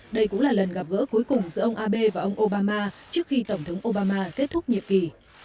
đây cũng là lần gặp gỡ cuối cùng giữa ông abe và ông obama trước khi tổng thống obama kết thúc nhiệm kỳ